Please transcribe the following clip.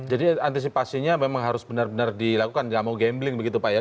jadi antisipasinya memang harus benar benar dilakukan tidak mau gambling begitu pak ya